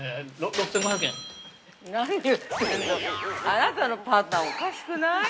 あなたのパートナー、おかしくない？